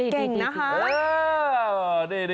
เก่งนะครับ